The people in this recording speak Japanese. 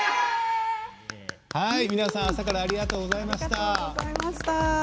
皆さん、朝からありがとうございました。